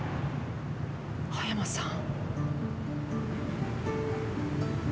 葉山さん？